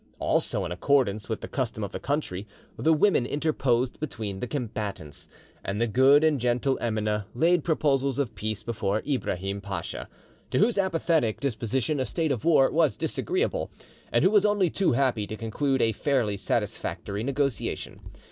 Also, in accordance with the custom of the country, the women interposed between the combatants, and the good and gentle Emineh laid proposals of peace before Ibrahim Pacha, to whose apathetic disposition a state of war was disagreeable, and who was only too happy to conclude a fairly satisfactory negotiation.